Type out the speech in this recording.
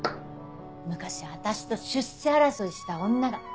昔私と出世争いした女が。